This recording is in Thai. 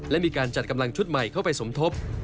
และมีการจัดกำลังชุดใหม่เข้าไปสมทบ